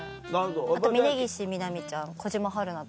あと峯岸みなみちゃん小嶋陽菜。